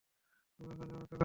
তুমি ওখানেই অপেক্ষা করো।